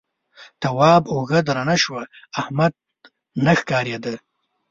تواب اوږه درنه شوه احمد نه ښکارېده.